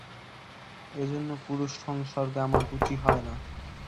এজন্য পুরুষ সংসর্গে আমার রুচি হয় না।